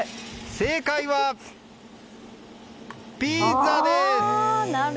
正解は、ピザです！